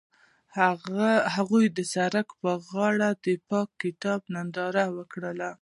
هغوی د سړک پر غاړه د پاک کتاب ننداره وکړه.